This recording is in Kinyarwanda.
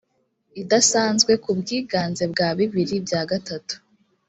idasanzwe ku bwiganze bwa bibiri bya gatatu